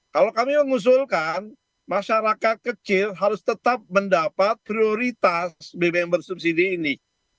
kalau kami mengusulkan masyarakat kecil harus tetap mendapat prioritas bbm bersubsidi ini